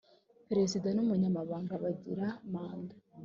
perezida n umunyamabanga bagira manda